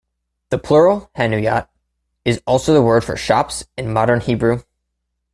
The plural "hanuyot" is also the word for "shops" in modern Hebrew.